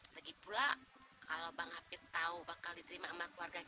lagi pula kalau bang hafid tahu bakal diterima sama keluarga kita